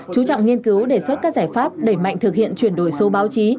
chú trọng nghiên cứu đề xuất các giải pháp đẩy mạnh thực hiện chuyển đổi số báo chí